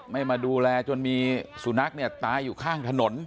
ไม่มาดูแลจนมีสุนัขเนี่ยตายอยู่ข้างถนน